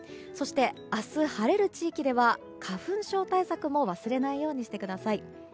そして、明日晴れる地域では花粉症対策も忘れないようにしてください。